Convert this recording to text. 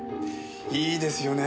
いいですよね。